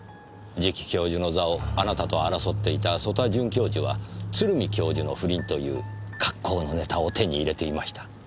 次期教授の座をあなたと争っていた曽田准教授は鶴見教授の不倫という格好のネタを手に入れていました。